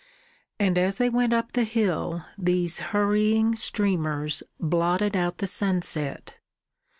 And as they went up the hill these hurrying streamers blotted out the sunset.